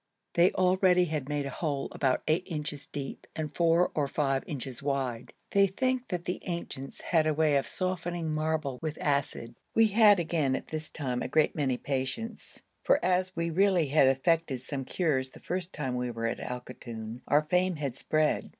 They already had made a hole about 8 inches deep and 4 or 5 inches wide. They think that the ancients had a way of softening marble with acid. We had again at this time a great many patients; for, as we really had effected some cures the first time we were at Al Koton, our fame had spread.